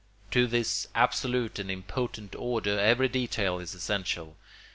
To this absolute and impotent order every detail is essential.